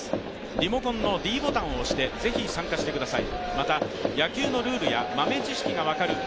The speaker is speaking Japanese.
リモコンのｄボタンを押してぜひ参加してください。